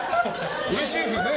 うれしいですよね？